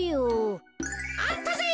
あったぜ！